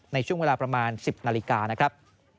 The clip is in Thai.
ในช่วงเวลาประมาณ๑๐นาฬิกานะครับ